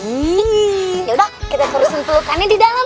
yaudah kita terusin pelukannya di dalam